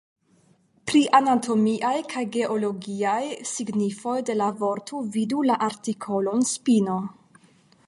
Pri anatomiaj kaj geologiaj signifoj de la vorto vidu la artikolon spino.